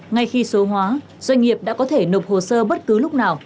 ngay khi số hóa doanh nghiệp đã có thể nộp hồ sơ bất cứ lúc nào